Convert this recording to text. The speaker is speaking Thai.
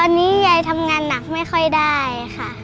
ตอนนี้ยายทำงานหนักไม่ค่อยได้ค่ะ